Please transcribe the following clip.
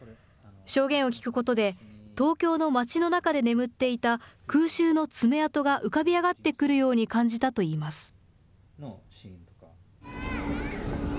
証言を聞くことで東京の街の中で眠っていた空襲の爪痕が浮かび上がってくるように感じたといいます。